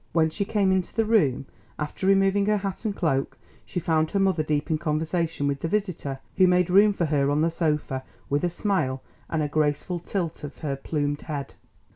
When she came into the room after removing her hat and cloak she found her mother deep in conversation with the visitor, who made room for her on the sofa with a smile and a graceful tilt of her plumed head.